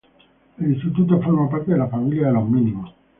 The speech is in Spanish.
El instituto forma parte de la Familia de los Mínimos.